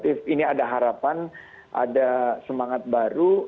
ini ada harapan ada semangat baru